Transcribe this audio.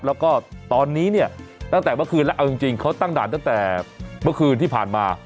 แล้วก็ตอนนี้เนี่ยตั้งแต่เมื่อคืนแล้วเอาจริงเขาตั้งด่านตั้งแต่เมื่อคืนที่ผ่านมา